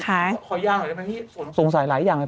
ขอยากอะนะพี่สงสัยหลายอย่างนะพี่